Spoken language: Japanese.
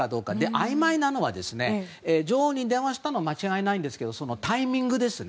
あいまいなのは女王に電話したのは間違いないんですがタイミングですね